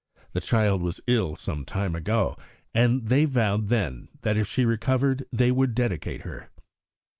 The child was ill some time ago, and they vowed then that if she recovered they would dedicate her."